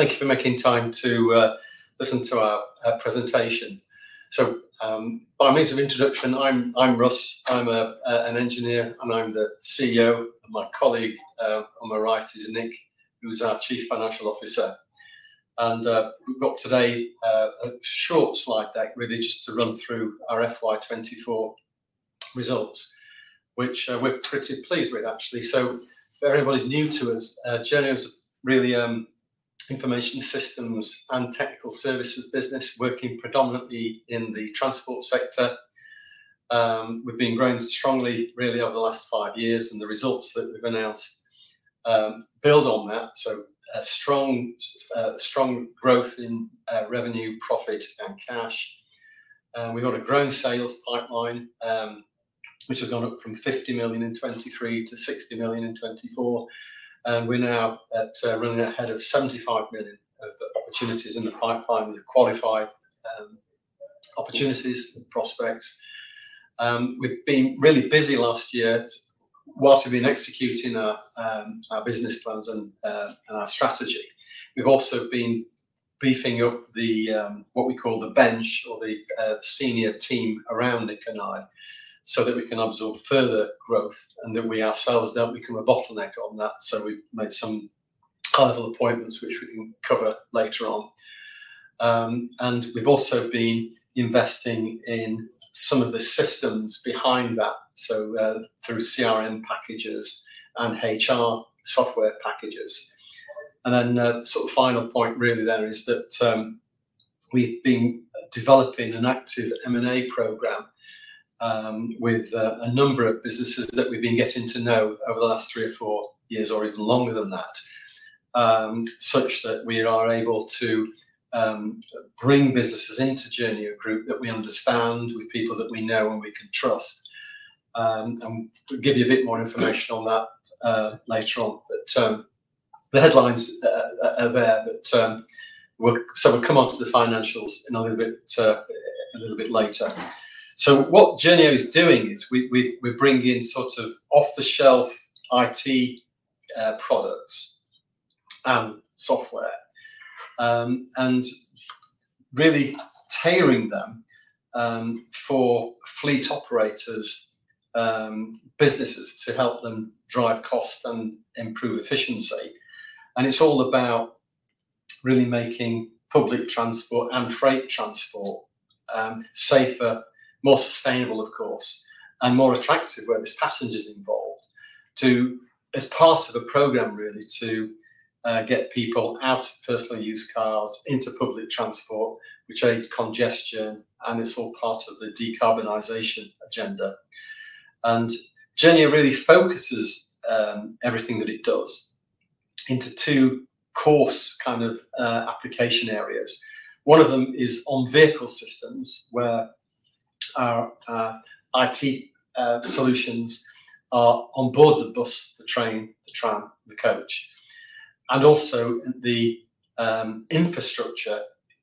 Thank you for making time to listen to our presentation. By means of introduction, I'm Russ. I'm an engineer, and I'm the CEO. My colleague on the right is Nick, who's our Chief Financial Officer. We've got today a short slide deck, really, just to run through our FY2024 results, which we're pretty pleased with, actually. For everybody new to us, Journeo's really an information systems and technical services business, working predominantly in the transport sector. We've been growing strongly over the last five years, and the results that we've announced build on that. Strong growth in revenue, profit, and cash. We've got a growing sales pipeline, which has gone up from 50 million in 2023 to 60 million in 2024. We're now running ahead of 75 million of opportunities in the pipeline with qualified opportunities and prospects. We've been really busy last year whilst we've been executing our business plans and our strategy. We've also been beefing up the, what we call the bench or the seniority around Nick and I so that we can absorb further growth and that we ourselves don't become a bottleneck on that. We've made some high-level appointments, which we can cover later on. We've also been investing in some of the systems behind that, through CRM packages and HR software packages. The final point, really, there is that we've been developing an active M&A program, with a number of businesses that we've been getting to know over the last three or four years or even longer than that, such that we are able to bring businesses into Journeo Group that we understand, with people that we know and we can trust. We'll give you a bit more information on that later on. The headlines are there, so we'll come onto the financials a little bit later. What Journeo is doing is we are bringing in sort of off-the-shelf IT products and software, and really tailoring them for fleet operators, businesses to help them drive cost and improve efficiency. It's all about really making public transport and freight transport safer, more sustainable, of course, and more attractive where there's passengers involved, as part of a program really to get people out of personal use cars into public transport, which aids congestion, and it's all part of the decarbonisation agenda. Journeo really focuses everything that it does into two core kind of application areas. One of them is on vehicle systems where our IT solutions are onboard the bus, the train, the tram, the coach. Also, the infrastructure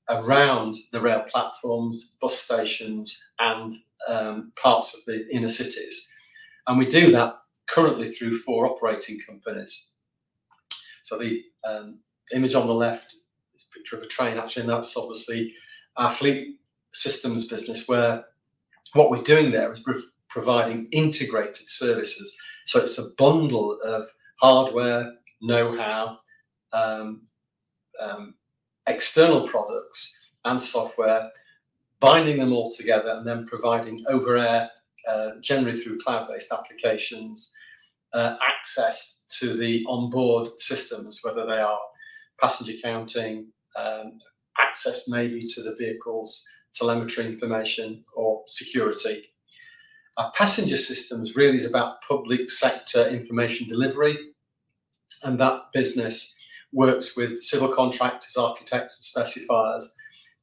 around the rail platforms, bus stations, and parts of the inner cities. We do that currently through four operating companies. The image on the left is a picture of a train, actually, and that's obviously our fleet systems business, where what we're doing there is providing integrated services. It is a bundle of hardware, know-how, external products and software, binding them all together and then providing over-air, generally through cloud-based applications, access to the onboard systems, whether they are passenger counting, access maybe to the vehicle's telemetry information or security. Our passenger systems really is about public sector information delivery, and that business works with civil contractors, architects, and specifiers,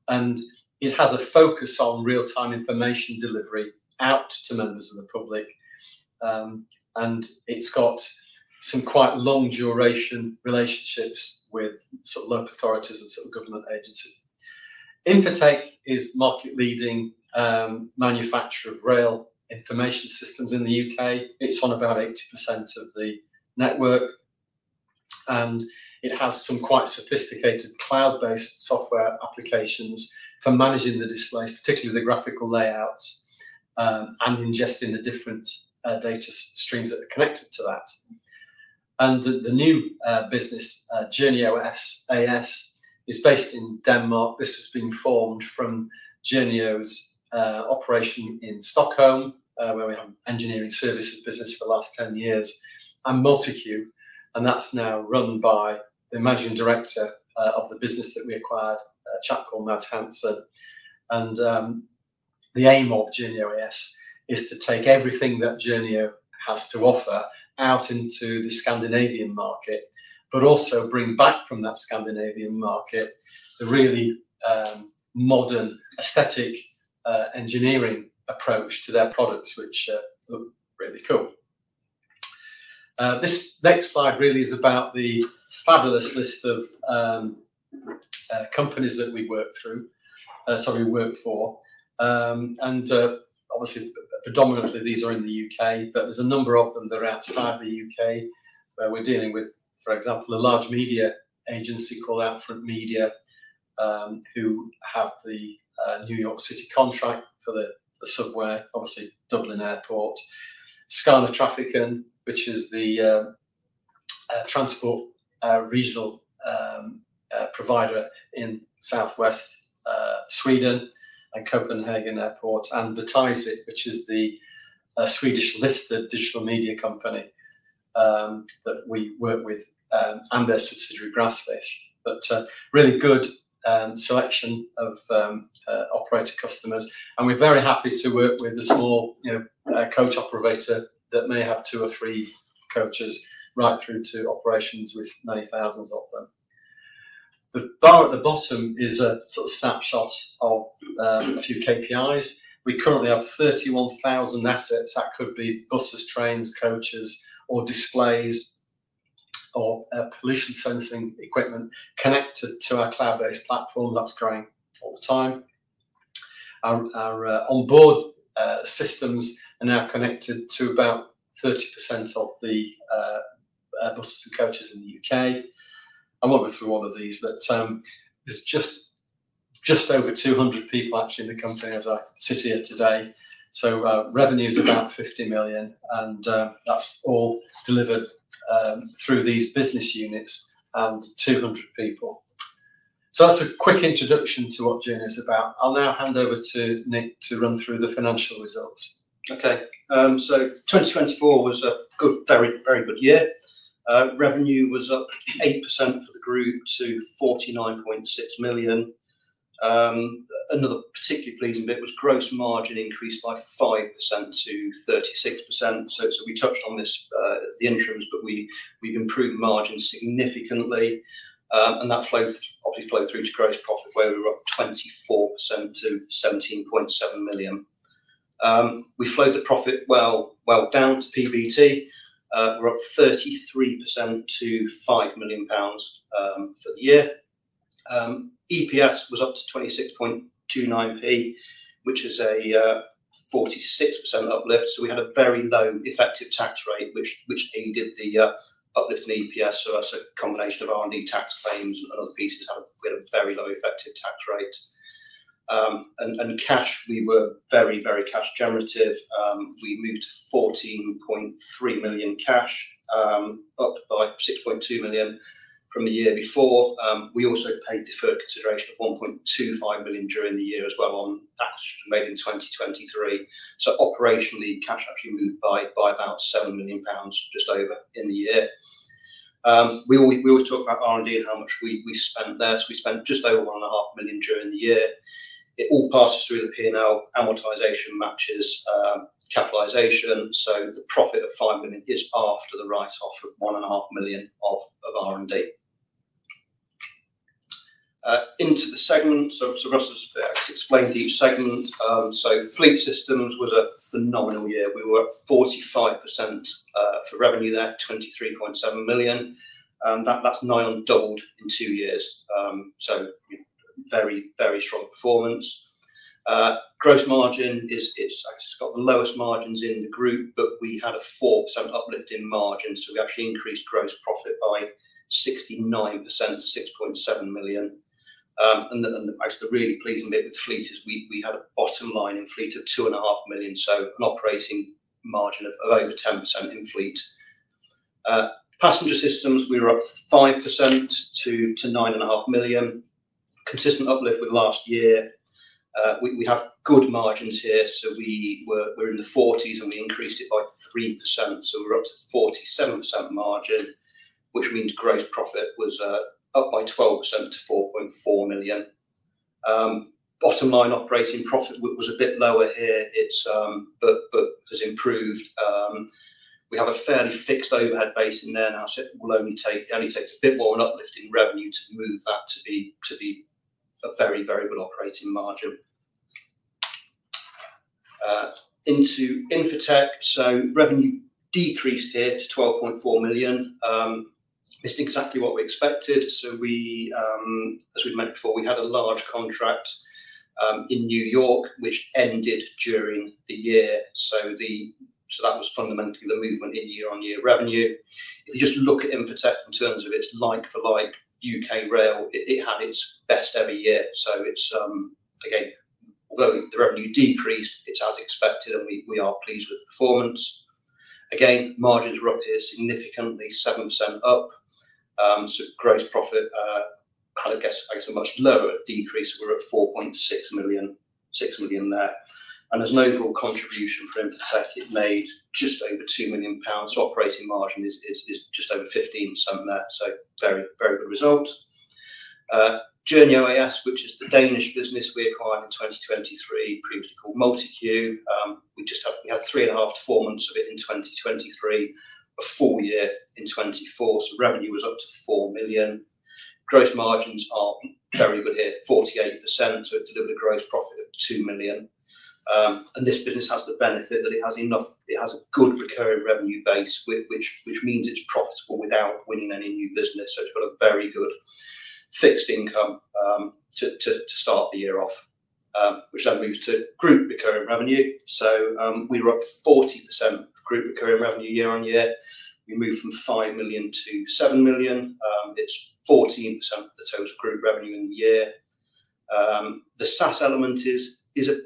and it has a focus on real-time information delivery out to members of the public. It's got some quite long-duration relationships with sort of local authorities and sort of government agencies. Infotec is a market-leading manufacturer of rail information systems in the U.K. It's on about 80% of the network, and it has some quite sophisticated cloud-based software applications for managing the displays, particularly the graphical layouts, and ingesting the different data streams that are connected to that. The new business, Journeo A/S, is based in Denmark. This has been formed from Journeo's operation in Stockholm, where we have an engineering services business for the last 10 years and MultiQ, and that's now run by the managing director of the business that we acquired, Mads Henrik Hansen. The aim of Journeo A/S is to take everything that Journeo has to offer out into the Scandinavian market, but also bring back from that Scandinavian market the really modern aesthetic, engineering approach to their products, which look really cool. This next slide really is about the fabulous list of companies that we work through, sorry, we work for. Obviously, predominantly, these are in the U.K., but there's a number of them that are outside the U.K. where we're dealing with, for example, a large media agency called Outfront Media, who have the New York City contract for the subway, obviously, Dublin Airport, Skånetrafiken, which is the transport, regional provider in southwest Sweden, and Copenhagen Airport, and Vertiseit, which is the Swedish-listed digital media company that we work with, and their subsidiary Grassfish. Really good selection of operator customers. We're very happy to work with a small, you know, coach operator that may have two or three coaches right through to operations with many thousands of them. The bar at the bottom is a sort of snapshot of a few KPIs. We currently have 31,000 assets that could be buses, trains, coaches, or displays or pollution sensing equipment connected to our cloud-based platform that's growing all the time. Our onboard systems are now connected to about 30% of the buses and coaches in the U.K. I won't go through all of these, but there's just over 200 people, actually, in the company as I sit here today. Revenue's about 50 million, and that's all delivered through these business units and 200 people. That's a quick introduction to what Journeo's about. I'll now hand over to Nick to run through the financial results. Okay. 2024 was a good, very, very good year. Revenue was up 8% for the group to 49.6 million. Another particularly pleasing bit was gross margin increased by 5% to 36%. We touched on this at the interims, but we've improved margin significantly. That obviously flowed through to gross profit where we were up 24% to 17.7 million. We flowed the profit well down to PBT. We're up 33% to 5 million pounds for the year. EPS was up to 26.29p, which is a 46% uplift. We had a very low effective tax rate, which aided the uplift in EPS. That's a combination of our new tax claims and other pieces. We had a very low effective tax rate. Cash, we were very, very cash generative. We moved to 14.3 million cash, up by 6.2 million from the year before. We also paid deferred consideration of 1.25 million during the year as well on that, maybe in 2023. Operationally, cash actually moved by about 7 million pounds, just over in the year. We always talk about R&D and how much we spent there. We spent just over 1.5 million during the year. It all passes through the P&L. Amortization matches capitalization. The profit of 5 million is after the write-off of 1.5 million of R&D. Into the segments, Russ has explained each segment. Fleet systems was a phenomenal year. We were up 45% for revenue there, 23.7 million. That is nigh on doubled in two years. You know, very, very strong performance. Gross margin is, it's, it's got the lowest margins in the group, but we had a 4% uplift in margin. We actually increased gross profit by 69%, 6.7 million. The really pleasing bit with fleet is we had a bottom line in fleet of 2.5 million, so an operating margin of over 10% in fleet. Passenger systems, we were up 5% to 9.5 million, consistent uplift with last year. We have good margins here, so we're in the forties and we increased it by 3%. We're up to 47% margin, which means gross profit was up by 12% to 4.4 million. Bottom line operating profit was a bit lower here, but has improved. We have a fairly fixed overhead base in there now. It will only take, it only takes a bit more on uplifting revenue to move that to be, to be a very variable operating margin into Infotec. Revenue decreased here to 12.4 million, missed exactly what we expected. As we've mentioned before, we had a large contract in New York, which ended during the year. That was fundamentally the movement in year-on-year revenue. If you just look at Infotec in terms of its like-for-like U.K. rail, it had its best ever year. Again, although the revenue decreased, it's as expected and we are pleased with performance. Again, margins were up here significantly, 7% up. Gross profit had, I guess, a much lower decrease. We're at 4.6 million, 6 million there. There's no real contribution for Infotec. It made just over 2 million pounds. Operating margin is just over 15% there. Very, very good results. Journeo A/S, which is the Danish business we acquired in 2023, previously called MultiQ, we just have, we had three and a half to four months of it in 2023, a full year in 2024. Revenue was up to 4 million. Gross margins are very good here, 48%. It delivered a gross profit of 2 million. This business has the benefit that it has enough, it has a good recurring revenue base, which means it is profitable without winning any new business. It has a very good fixed income to start the year off, which then moves to group recurring revenue. We were up 40% of group recurring revenue year-on-year. We moved from 5 million to 7 million. It's 14% of the total group revenue in the year. The SaaS element is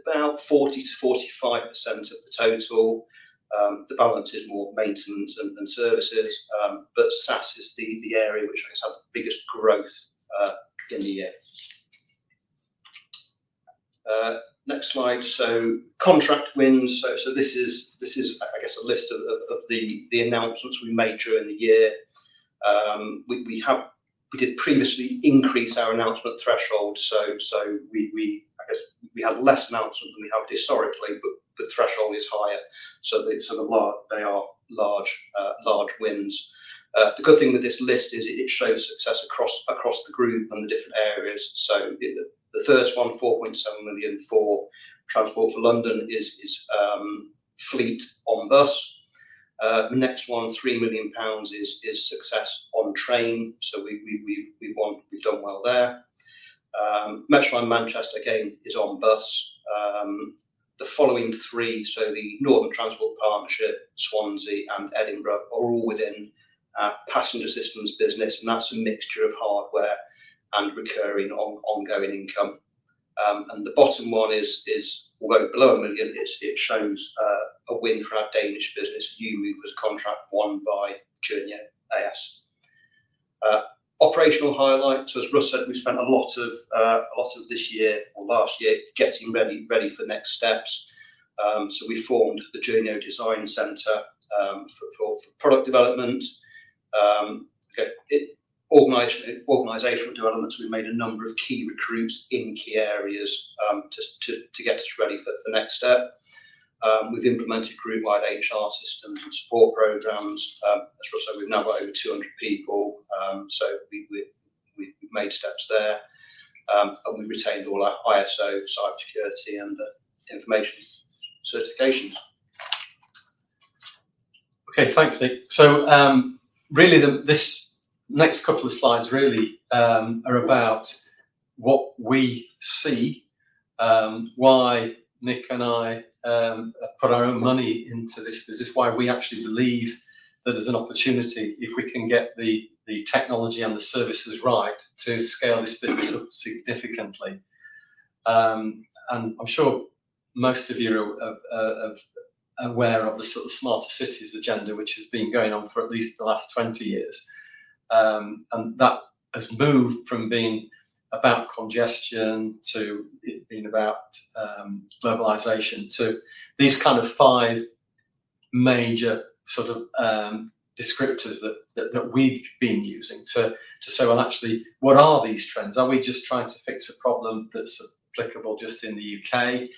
about 40-45% of the total. The balance is more maintenance and services. SaaS is the area which I guess had the biggest growth in the year. Next slide. Contract wins. This is, I guess, a list of the announcements we made during the year. We did previously increase our announcement threshold. We had less announcements than we had historically, but the threshold is higher. They are large, large wins. The good thing with this list is it shows success across the group and the different areas. The first one, 4.7 million for Transport for London, is fleet on bus. The next one, 3 million pounds is success on train. We have won, we have done well there. Metroline in Manchester again is on bus. The following three, so the Northern Transport Partnership, Swansea, and Edinburgh are all within passenger systems business, and that is a mixture of hardware and recurring ongoing income. The bottom one is, although below a million, it shows a win for our Danish business, Umove, was a contract won by Journeo A/S. Operational highlights. As Russ said, we spent a lot of this year or last year getting ready for next steps. We formed the Journeo Design Centre for product development. Organization, organizational development. We have made a number of key recruits in key areas to get us ready for next step. We've implemented group-wide HR systems and support programs. As Russ said, we've now got over 200 people. We've made steps there, and we retained all our ISO, cybersecurity, and information certifications. Okay. Thanks, Nick. Really, this next couple of slides are about what we see, why Nick and I put our own money into this business, why we actually believe that there's an opportunity if we can get the technology and the services right to scale this business up significantly. I'm sure most of you are aware of the sort of smarter cities agenda, which has been going on for at least the last 20 years. That has moved from being about congestion to it being about globalization to these kind of five major sort of descriptors that we've been using to say, actually, what are these trends? Are we just trying to fix a problem that's applicable just in the U.K.,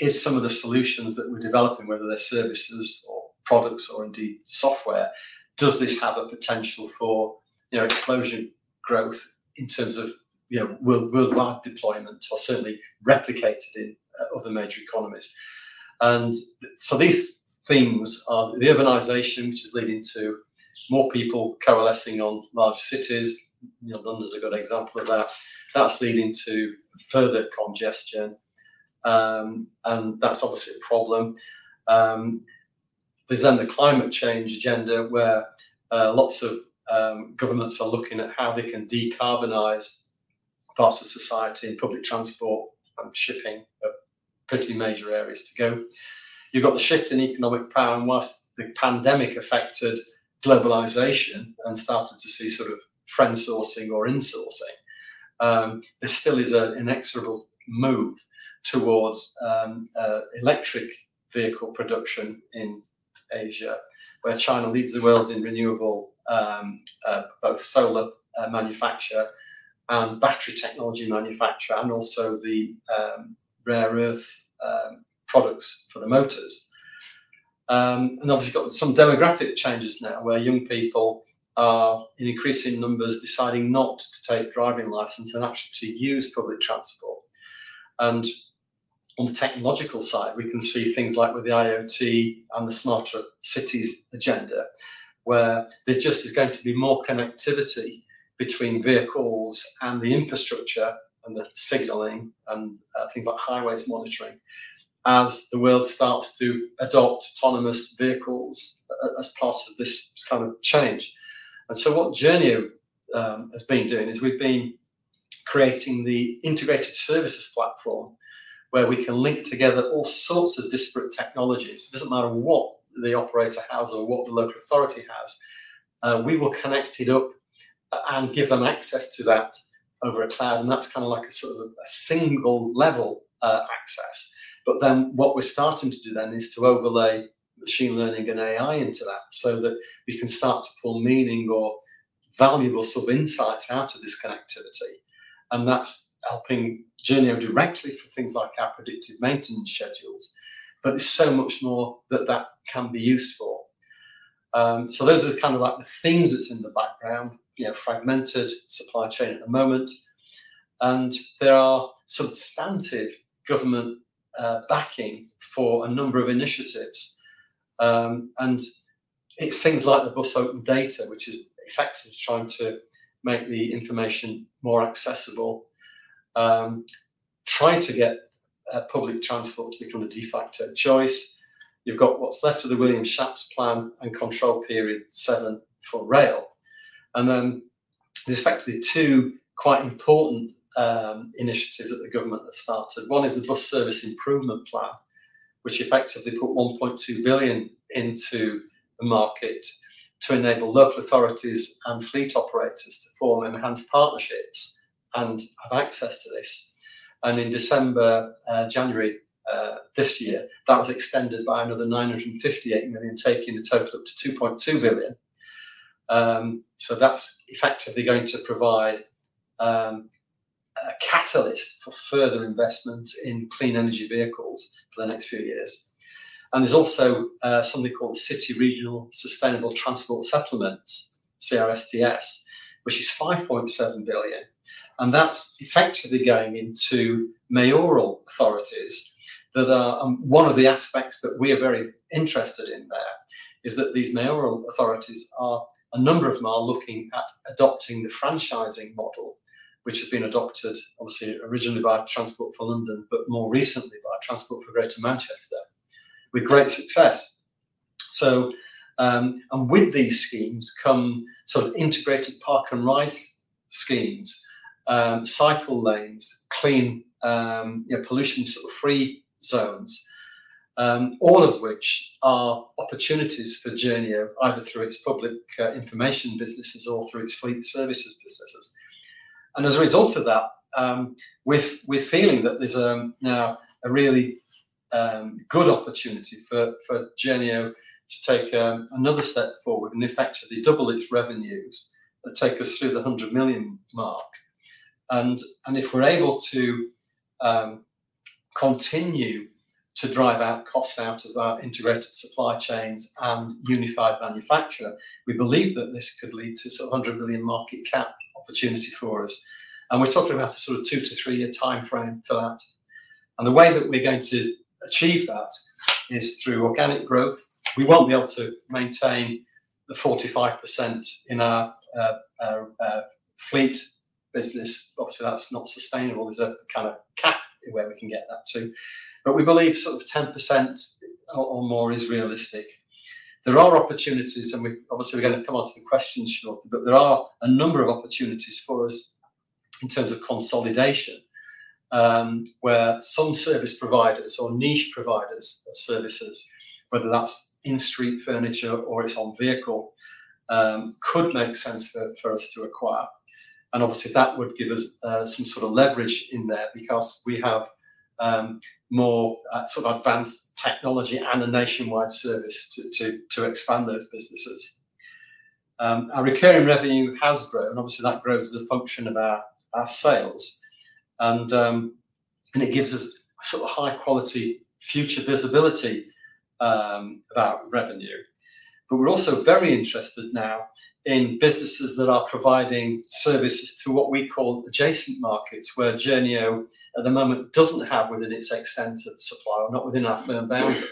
or is some of the solutions that we're developing, whether they're services or products or indeed software, does this have a potential for, you know, exposure growth in terms of, you know, world, worldwide deployment or certainly replicated in other major economies? These things are the urbanization, which is leading to more people coalescing on large cities. You know, London's a good example of that. That's leading to further congestion, and that's obviously a problem. There's then the climate change agenda where, lots of, governments are looking at how they can decarbonize parts of society and public transport and shipping, but pretty major areas to go. You've got the shift in economic power. Whilst the pandemic affected globalization and started to see sort of friend-shoring sourcing or insourcing, there still is an inexorable move towards electric vehicle production in Asia, where China leads the world in renewable, both solar manufacture and battery technology manufacture, and also the rare earth products for the motors. Obviously, there are some demographic changes now where young people are in increasing numbers deciding not to take driving license and actually to use public transport. On the technological side, we can see things like with the IoT and the smarter cities agenda, where there just is going to be more connectivity between vehicles and the infrastructure and the signaling and things like highways monitoring as the world starts to adopt autonomous vehicles as part of this kind of change. What Journeo has been doing is we've been creating the integrated services platform where we can link together all sorts of disparate technologies. It doesn't matter what the operator has or what the local authority has. We will connect it up and give them access to that over a cloud. That's kind of like a sort of a single level access. What we're starting to do then is to overlay machine learning and AI into that so that we can start to pull meaning or valuable sort of insights out of this connectivity. That's helping Journeo directly for things like our predictive maintenance schedules, but it's so much more that that can be used for. Those are kind of like the things that's in the background, you know, fragmented supply chain at the moment. There are substantive government backing for a number of initiatives. It is things like the Bus Open Data, which is effectively trying to make the information more accessible, trying to get public transport to become a de facto choice. You have what is left of the Williams-Shapps Plan and Control Period 7 for rail. There are effectively two quite important initiatives that the government has started. One is the Bus Service Improvement Plan, which effectively put 1.2 billion into the market to enable local authorities and fleet operators to form and enhance partnerships and have access to this. In December-January this year, that was extended by another 958 million, taking the total up to 2.2 billion. That is effectively going to provide a catalyst for further investment in clean energy vehicles for the next few years. There is also something called City Regional Sustainable Transport Settlements, CRSTS, which is 5.7 billion. That is effectively going into mayoral authorities. One of the aspects that we are very interested in there is that these mayoral authorities, a number of them, are looking at adopting the franchising model, which has been adopted obviously originally by Transport for London, but more recently by Transport for Greater Manchester with great success. With these schemes come sort of integrated park and ride schemes, cycle lanes, clean, you know, pollution sort of free zones, all of which are opportunities for Journeo, either through its public information businesses or through its fleet services businesses. As a result of that, we're feeling that there's now a really good opportunity for Journeo to take another step forward and effectively double its revenues that take us through the 100 million mark. If we're able to continue to drive out costs out of our integrated supply chains and unified manufacturer, we believe that this could lead to sort of 100 million market cap opportunity for us. We're talking about a sort of two- to three-year timeframe for that. The way that we are going to achieve that is through organic growth. We won't be able to maintain the 45% in our fleet business. Obviously, that's not sustainable. There's a kind of cap where we can get that to, but we believe sort of 10% or more is realistic. There are opportunities, and we've obviously, we're gonna come onto the questions shortly, but there are a number of opportunities for us in terms of consolidation, where some service providers or niche providers of services, whether that's in-street furniture or it's on vehicle, could make sense for us to acquire. Obviously that would give us some sort of leverage in there because we have more sort of advanced technology and a nationwide service to expand those businesses. Our recurring revenue has grown, and obviously that grows as a function of our sales. It gives us sort of high quality future visibility about revenue. We're also very interested now in businesses that are providing services to what we call adjacent markets, where Journeo at the moment doesn't have within its extent of supply or not within our firm boundary.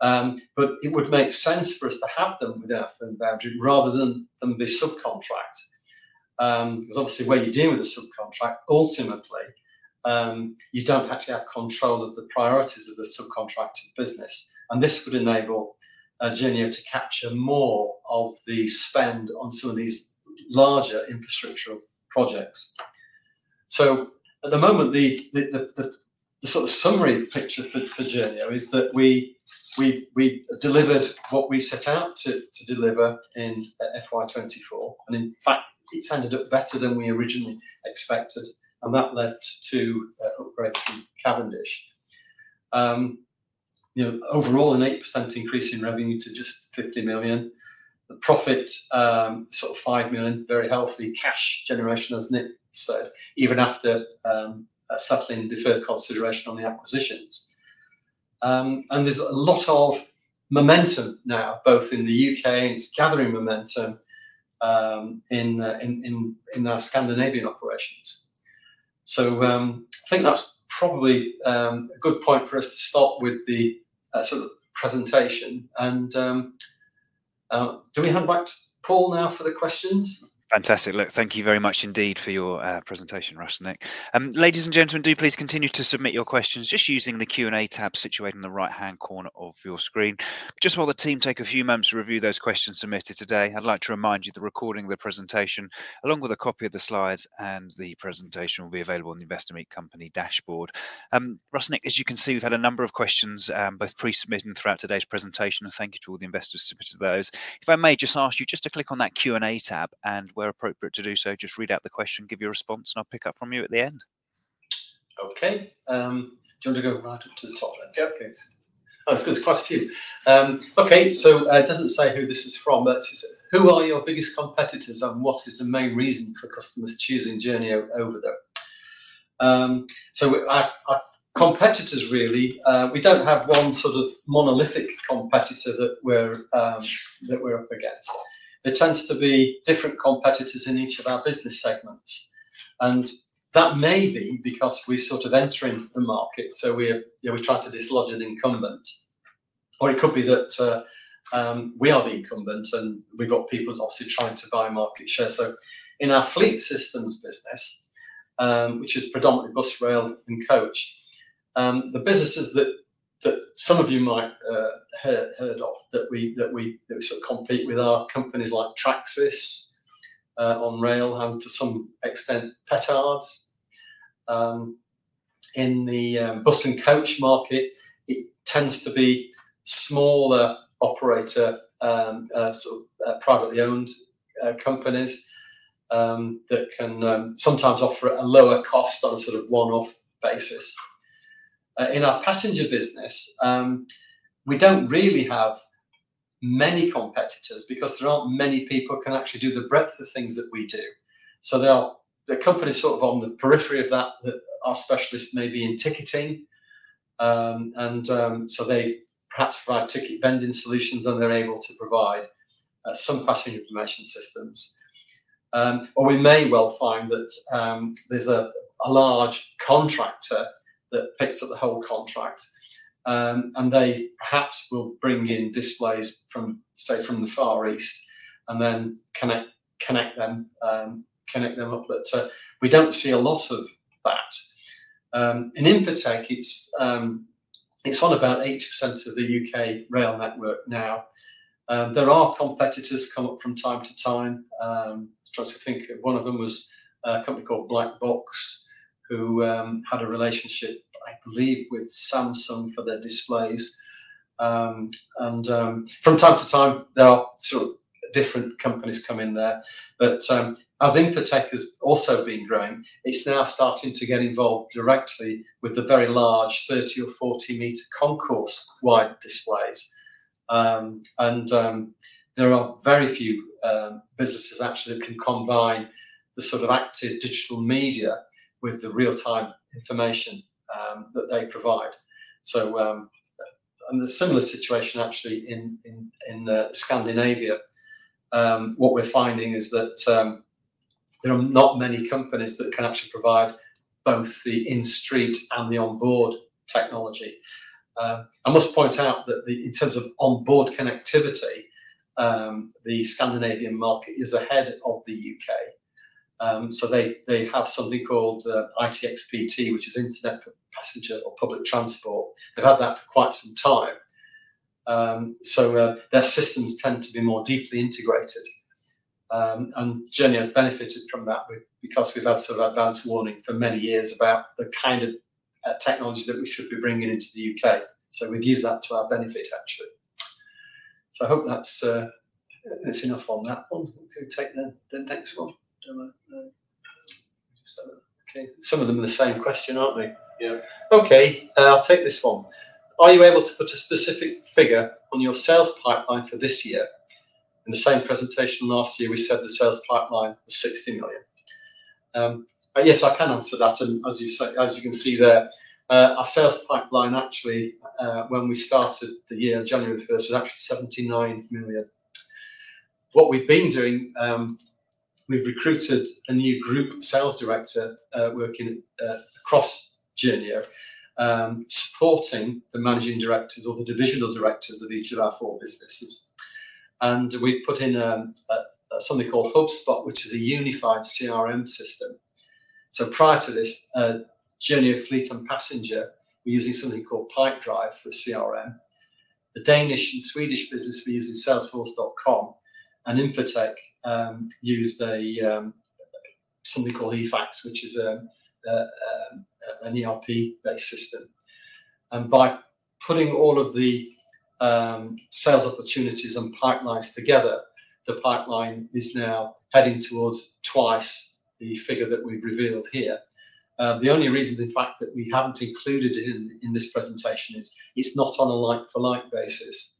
but it would make sense for us to have them within our firm boundary rather than them be subcontracted. 'cause obviously when you deal with a subcontract, ultimately, you don't actually have control of the priorities of the subcontracted business. This would enable Journeo to capture more of the spend on some of these larger infrastructure projects. At the moment, the sort of summary picture for Journeo is that we delivered what we set out to deliver in FY 2024. In fact, it's ended up better than we originally expected. That led to upgrades from Cavendish. You know, overall an 8% increase in revenue to just 50 million. The profit, sort of 5 million, very healthy cash generation, as Nick said, even after settling deferred consideration on the acquisitions. There's a lot of momentum now, both in the U.K. and it's gathering momentum in our Scandinavian operations. I think that's probably a good point for us to stop with the sort of presentation. Do we hand back to Paul now for the questions? Fantastic. Look, thank you very much indeed for your presentation, Russ, Nick. Ladies and gentlemen, do please continue to submit your questions just using the Q and A tab situated in the right-hand corner of your screen. Just while the team take a few moments to review those questions submitted today, I'd like to remind you the recording of the presentation, along with a copy of the slides and the presentation, will be available on the Investor Meet Company dashboard. Russ, Nick, as you can see, we've had a number of questions, both pre-submitted throughout today's presentation, and thank you to all the investors who submitted those. If I may just ask you just to click on that Q and A tab, and where appropriate to do so, just read out the question, give your response, and I'll pick up from you at the end. Okay. Do you wanna go right up to the top then? Yep. Please. Oh, it's good. There's quite a few. Okay. It doesn't say who this is from, but it's who are your biggest competitors and what is the main reason for customers choosing Journeo over them? We, our competitors really, we don't have one sort of monolithic competitor that we're up against. There tends to be different competitors in each of our business segments. That may be because we are sort of entering the market. We are, you know, we're trying to dislodge an incumbent. Or it could be that we are the incumbent and we've got people obviously trying to buy market share. In our fleet systems business, which is predominantly bus, rail, and coach, the businesses that some of you might have heard of that we sort of compete with are companies like Tracsis on rail and to some extent Petards. In the bus and coach market, it tends to be smaller operator, sort of privately owned companies that can sometimes offer a lower cost on sort of a one-off basis. In our passenger business, we do not really have many competitors because there are not many people who can actually do the breadth of things that we do. There are companies sort of on the periphery of that that are specialists maybe in ticketing, and so they perhaps provide ticket vending solutions and they are able to provide some passenger information systems. We may well find that there's a large contractor that picks up the whole contract. They perhaps will bring in displays from, say, from the Far East and then connect them up. We don't see a lot of that. In Infotec, it's on about 80% of the U.K. rail network now. There are competitors come up from time to time. I was trying to think of one of them, it was a company called Black Box who had a relationship, I believe, with Samsung for their displays. From time to time, there are sort of different companies come in there. As Infotec has also been growing, it's now starting to get involved directly with the very large 30 or 40 meter concourse wide displays. There are very few businesses actually that can combine the sort of active digital media with the real-time information that they provide. The similar situation actually in Scandinavia. What we are finding is that there are not many companies that can actually provide both the in-street and the onboard technology. I must point out that, in terms of onboard connectivity, the Scandinavian market is ahead of the U.K. They have something called ITxPT, which is Internet for Public Transport. They have had that for quite some time. Their systems tend to be more deeply integrated. Journeo has benefited from that because we have had sort of advanced warning for many years about the kind of technology that we should be bringing into the U.K. We have used that to our benefit actually. I hope that's enough on that one. We'll go take the next one. Don't wanna just have a, okay. Some of them are the same question, aren't they? Yeah. Okay. I'll take this one. Are you able to put a specific figure on your sales pipeline for this year? In the same presentation last year, we said the sales pipeline was 60 million. Yes, I can answer that. And as you say, as you can see there, our sales pipeline actually, when we started the year on January the first, was actually 79 million. What we've been doing, we've recruited a new Group Sales Director, working across Journeo, supporting the Managing Directors or the Divisional Directors of each of our four businesses. And we've put in something called HubSpot, which is a unified CRM system. Prior to this, Journeo Fleet and Passenger were using something called Pipedrive for CRM. The Danish and Swedish business we use is Salesforce.com. Infotec used something called EFACS, which is an ERP-based system. By putting all of the sales opportunities and pipelines together, the pipeline is now heading towards twice the figure that we've revealed here. The only reason in fact that we haven't included it in this presentation is it's not on a like-for-like basis.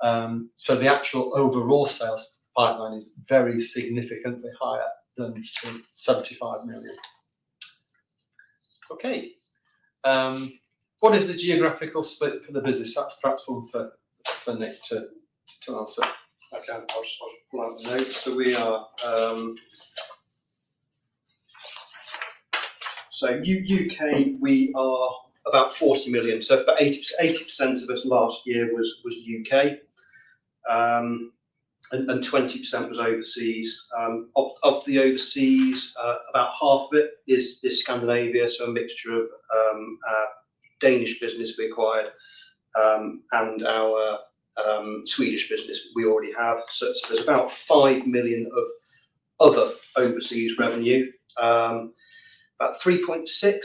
The actual overall sales pipeline is very significantly higher than 75 million. Okay. What is the geographical split for the business? That's perhaps one for Nick to answer. Okay. I'll just pull out the notes. We are, so U.K., we are about 40 million. So for 80%, 80% of us last year was U.K., and 20% was overseas. Of the overseas, about half of it is Scandinavia. A mixture of Danish business we acquired and our Swedish business we already have. There is about 5 million of other overseas revenue, about 3.6 million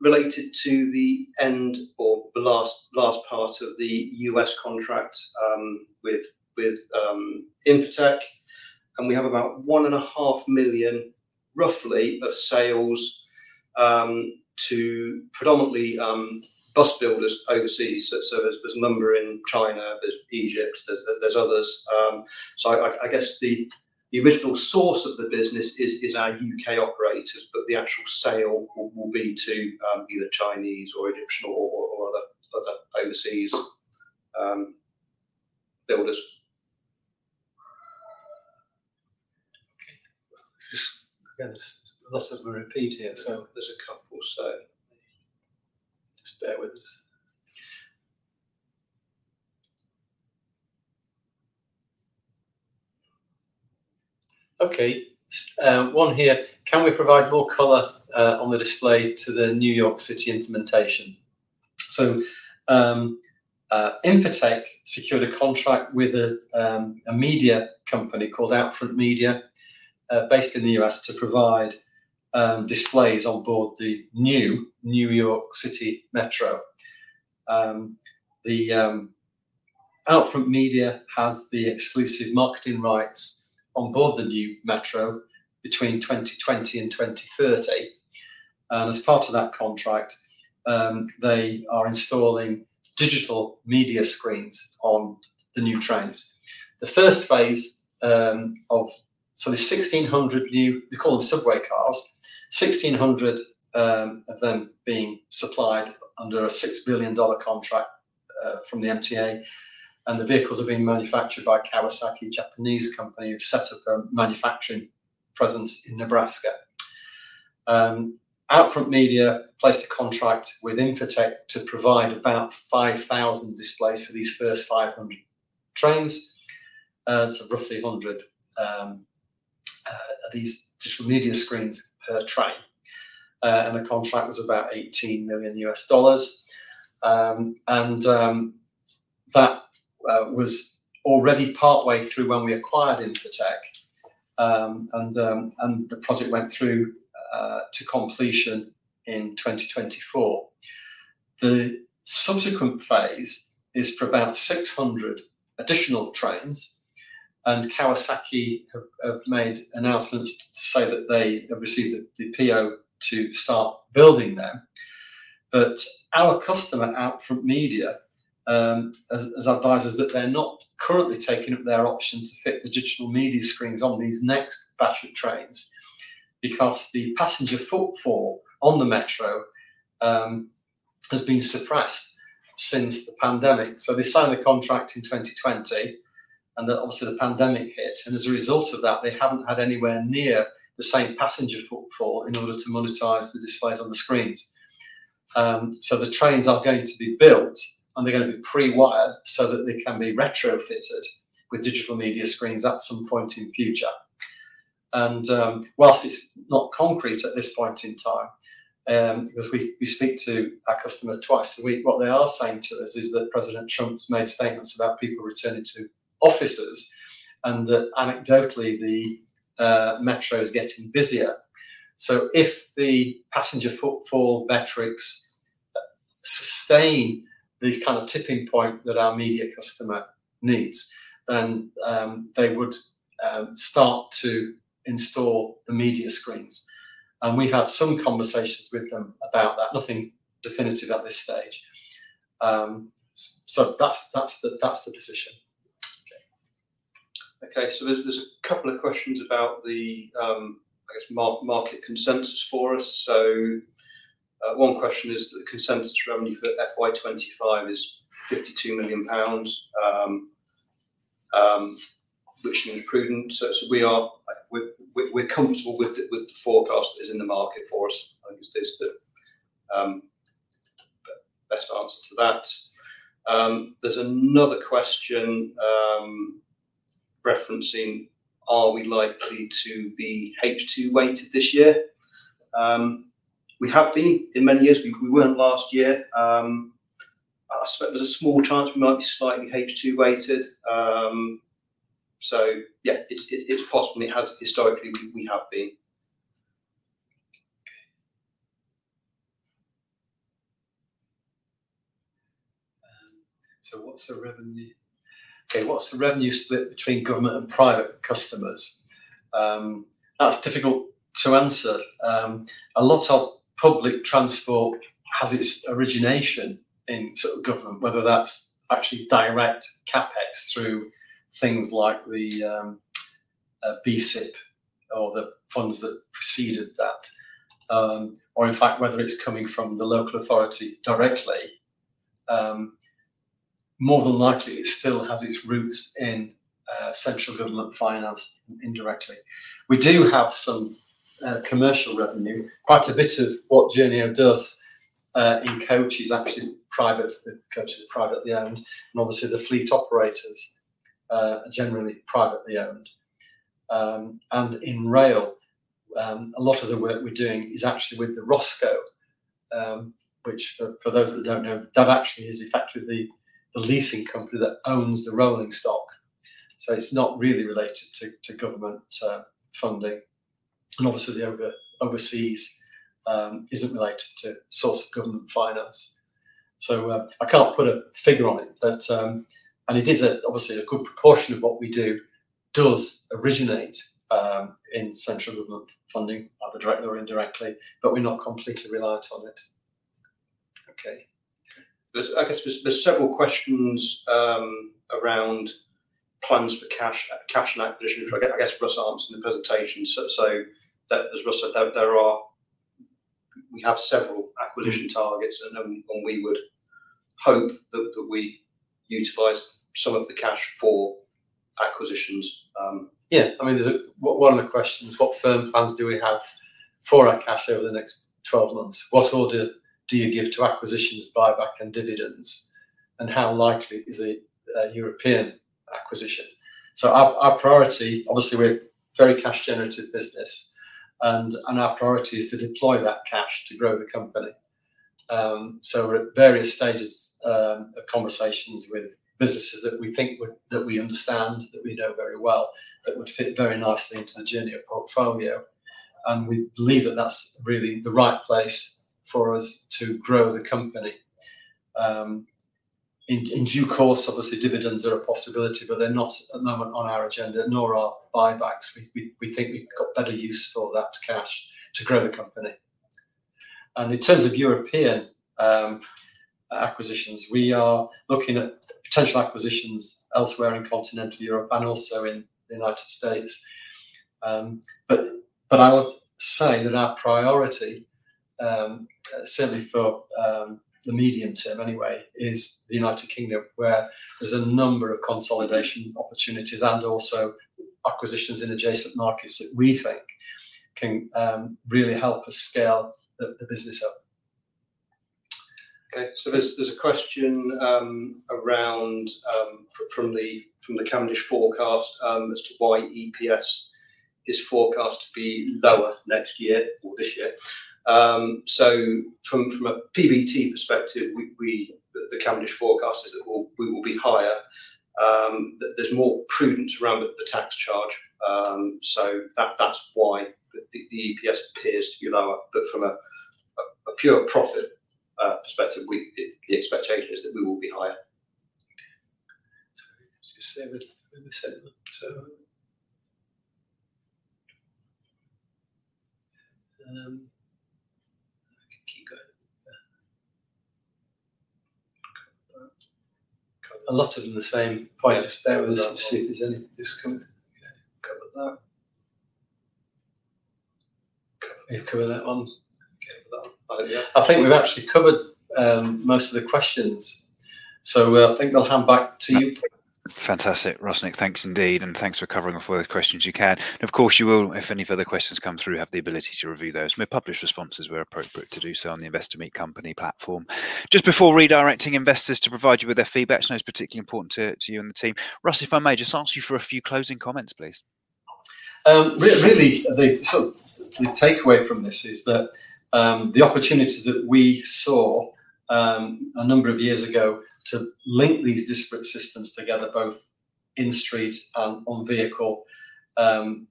related to the end or the last part of the U.S. contract with Infotec. We have about 1.5 million, roughly, of sales to predominantly bus builders overseas. There is a number in China, there is Egypt, there are others. I guess the original source of the business is our UK operators, but the actual sale will be to either Chinese or Egyptian or other overseas builders. Okay. Just again, there's lots of them repeat here. So there's a couple. Just bear with us. Okay. One here. Can we provide more color on the display to the New York City implementation? Infotec secured a contract with a media company called Outfront Media, based in the US, to provide displays onboard the new New York City Metro. Outfront Media has the exclusive marketing rights onboard the new Metro between 2020 and 2030. As part of that contract, they are installing digital media screens on the new trains. The first phase, so there's 1,600 new, we call 'em subway cars, 1,600 of them being supplied under a $6 billion contract from the MTA. The vehicles are being manufactured by Kawasaki, a Japanese company who've set up a manufacturing presence in Nebraska. Outfront Media placed a contract with Infotec to provide about 5,000 displays for these first 500 trains. It's roughly 100 of these digital media screens per train. The contract was about $18 million. That was already partway through when we acquired Infotec, and the project went through to completion in 2024. The subsequent phase is for about 600 additional trains. Kawasaki have made announcements to say that they have received the PO to start building them. Our customer, Outfront Media, advises that they're not currently taking up their option to fit the digital media screens on this next batch of trains because the passenger footfall on the Metro has been suppressed since the pandemic. They signed the contract in 2020 and then obviously the pandemic hit. As a result of that, they haven't had anywhere near the same passenger footfall in order to monetize the displays on the screens. The trains are going to be built and they're gonna be pre-wired so that they can be retrofitted with digital media screens at some point in future. Whilst it's not concrete at this point in time, 'cause we speak to our customer twice a week, what they are saying to us is that President Trump has made statements about people returning to offices and that anecdotally the Metro is getting busier. If the passenger footfall metrics sustain the kind of tipping point that our media customer needs, then they would start to install the media screens. We've had some conversations with them about that. Nothing definitive at this stage. That's the position. Okay. Okay. There are a couple of questions about the, I guess, market consensus for us. One question is that the consensus revenue for FY 2025 is GBP 52 million, which seems prudent. We are comfortable with the forecast that is in the market for us. I think that is the best answer to that. There is another question referencing are we likely to be H2 weighted this year? We have been in many years. We were not last year. I suspect there is a small chance we might be slightly H2 weighted. So, yes, it is possible. Historically, we have been. Okay. What's the revenue? Okay. What's the revenue split between government and private customers? That's difficult to answer. A lot of public transport has its origination in sort of government, whether that's actually direct CapEx through things like the BSIP or the funds that preceded that, or in fact whether it's coming from the local authority directly. More than likely it still has its roots in central government finance indirectly. We do have some commercial revenue. Quite a bit of what Journeo does in coach is actually private. The coach is privately owned and obviously the fleet operators are generally privately owned. In rail, a lot of the work we're doing is actually with the ROSCOs, which for those that don't know, that actually is effectively the leasing company that owns the rolling stock. So it's not really related to government funding. Obviously the overseas isn't related to source of government finance. I can't put a figure on it, but it is a good proportion of what we do does originate in central government funding either directly or indirectly, but we are not completely reliant on it. There are several questions around plans for cash and acquisition. I guess Russ answered in the presentation. There are, we have several acquisition targets and we would hope that we utilize some of the cash for acquisitions. Yeah. I mean, there's a, one of the questions, what firm plans do we have for our cash over the next 12 months? What order do you give to acquisitions, buyback, and dividends? And how likely is a, a European acquisition? Our priority, obviously we're a very cash-generative business and our priority is to deploy that cash to grow the company. We're at various stages of conversations with businesses that we think would, that we understand, that we know very well, that would fit very nicely into the Journeo portfolio. We believe that that's really the right place for us to grow the company. In due course, obviously dividends are a possibility, but they're not at the moment on our agenda nor are buybacks. We think we've got better use for that cash to grow the company. In terms of European acquisitions, we are looking at potential acquisitions elsewhere in continental Europe and also in the United States. I would say that our priority, certainly for the medium term anyway, is the United Kingdom where there is a number of consolidation opportunities and also acquisitions in adjacent markets that we think can really help us scale the business up. Okay. There is a question around, from the Cavendish forecast, as to why EPS is forecast to be lower next year or this year. From a PBT perspective, the Cavendish forecast is that we will be higher. There is more prudence around the tax charge. That is why the EPS appears to be lower. From a pure profit perspective, the expectation is that we will be higher. Let's just say we're the same one. I can keep going. A lot of them the same point. Just bear with us and see if there's any discomfort. Yeah. Covered that. We've covered that one. Okay. I don't know. I think we've actually covered most of the questions. I think they'll hand back to you. Fantastic. Russ, Nick, thanks indeed. Thanks for covering all four of the questions you can. You will, if any further questions come through, have the ability to review those. We will publish responses where appropriate to do so on the Investor Meet Company platform. Just before redirecting investors to provide you with their feedback, I know it is particularly important to you and the team. Russ, if I may, just ask you for a few closing comments, please. Really, the sort of the takeaway from this is that the opportunity that we saw a number of years ago to link these disparate systems together, both in street and on vehicle,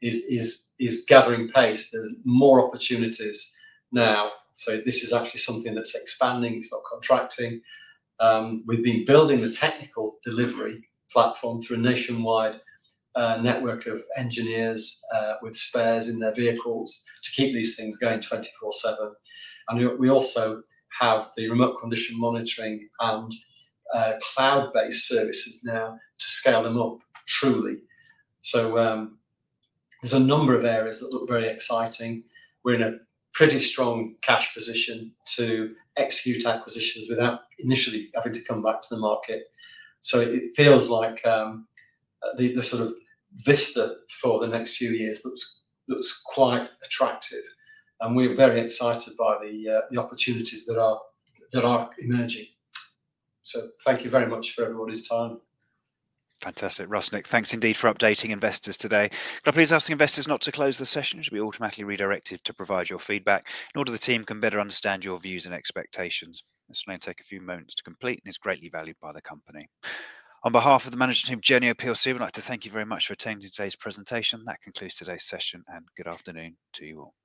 is gathering pace. There's more opportunities now. This is actually something that's expanding. It's not contracting. We've been building the technical delivery platform through a nationwide network of engineers, with spares in their vehicles to keep these things going 24/7. We also have the remote condition monitoring and cloud-based services now to scale them up truly. There's a number of areas that look very exciting. We're in a pretty strong cash position to execute acquisitions without initially having to come back to the market. It feels like the sort of vista for the next few years looks quite attractive. We are very excited by the opportunities that are emerging. Thank you very much for everybody's time. Fantastic. Russ, Nick, thanks indeed for updating investors today. Could I please ask investors not to close the session? It should be automatically redirected to provide your feedback in order that the team can better understand your views and expectations. This may take a few moments to complete and is greatly valued by the company. On behalf of the management team, Journeo, we'd like to thank you very much for attending today's presentation. That concludes today's session and good afternoon to you all.